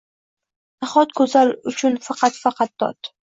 Nahot go’zal uchun faqat, faqat dod!..